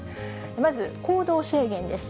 まず、行動制限です。